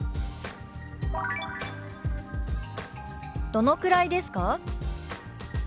「どのくらいですか？」。